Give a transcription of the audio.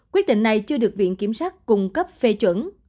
quyết định này chưa được viện kiểm sát cung cấp phê chuẩn